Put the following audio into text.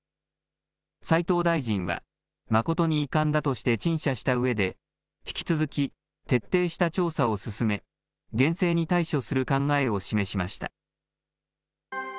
齋藤大臣は、誠に遺憾だとして陳謝したうえで、引き続き徹底した調査を進め、厳正に対処する考えを示しました。